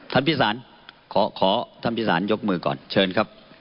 พิสารขอท่านพิสารยกมือก่อนเชิญครับ